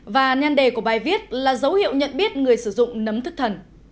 và nhan đề của bài viết là dấu hiệu nhận biết người sử dụng nấm thức thần